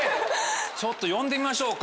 ちょっと呼んでみましょうか。